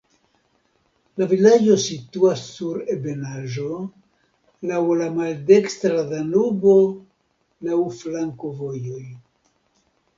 La vilaĝo situas sur ebenaĵo, laŭ la maldekstra Danubo, laŭ flankovojoj.